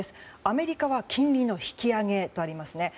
アメリカは金利の引き上げとありますね。